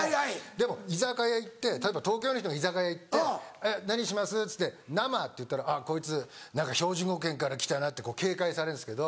でも居酒屋行って例えば東京の人が居酒屋行って「何にします？」っつって「生」って言ったらあっこいつ標準語圏から来たなって警戒されるんですけど。